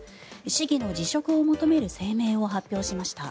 市議の辞職を求める声明を発表しました。